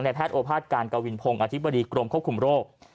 แพทย์โอภาษการกวินพงศ์อธิบดีกรมควบคุมโรค